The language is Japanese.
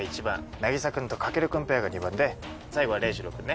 凪沙君と翔琉君ペアが２番で最後は黎士郎君ね。